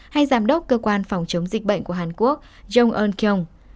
hay giám đốc cơ quan phòng chống dịch bệnh của hàn quốc jong un kyong